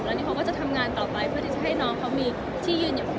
แล้วนี่เขาก็จะทำงานต่อไปเพื่อที่จะให้น้องเขามีที่ยืนอย่างคุณ